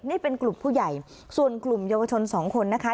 นี่เป็นกลุ่มผู้ใหญ่ส่วนกลุ่มเยาวชนสองคนนะคะ